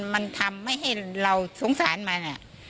มันทำไม่ให้เราทรงสารมันอะ